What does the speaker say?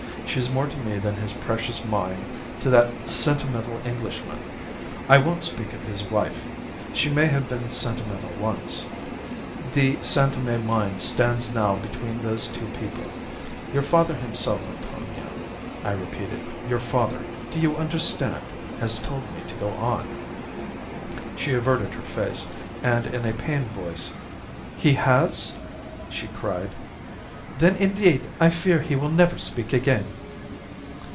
She is more to me than his precious mine to that sentimental Englishman. I won't speak of his wife. She may have been sentimental once. The San Tome mine stands now between those two people. 'Your father himself, Antonia,' I repeated; 'your father, do you understand? has told me to go on.' "She averted her face, and in a pained voice "'He has?' she cried. 'Then, indeed, I fear he will never speak again.